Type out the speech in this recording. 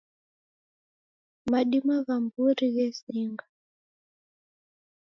Madima gha mburi ghesinga